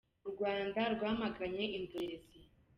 U Rwanda rwamaganye indorerezi